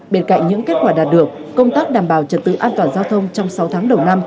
bên cạnh những kết quả đạt được công tác đảm bảo trật tự an toàn giao thông trong sáu tháng đầu năm